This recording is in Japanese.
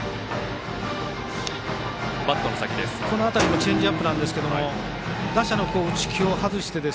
この辺りもチェンジアップですが打者の打ち気を外して。